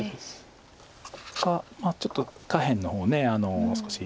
まあちょっと下辺の方少し。